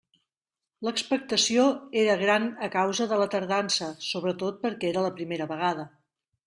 L'expectació era gran a causa de la tardança, sobretot perquè era la primera vegada.